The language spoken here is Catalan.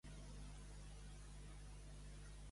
La caseta on no pasten.